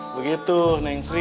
begitu neng sri